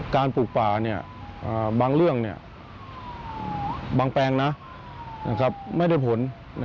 ปลูกป่าบางเรื่องบางแปลงไม่ได้ผล